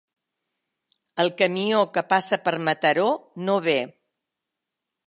El camió que passa per Mataró no ve.